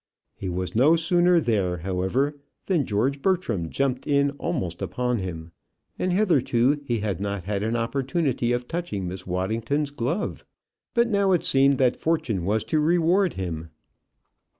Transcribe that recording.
He was no sooner there, however, than George Bertram jumped in almost upon him, and hitherto he had not had an opportunity of touching Miss Waddington's glove. But now it seemed that fortune was to reward him.